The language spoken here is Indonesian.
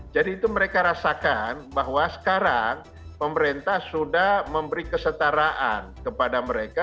jadi itu mereka merasakan bahwa sekarang pemerintah sudah memberi kesetaraan kepada mereka